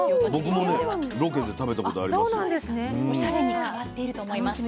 オシャレに変わっていると思います。